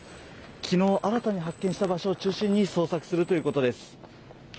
昨日、新たに発見した場所を中心に捜索するということです。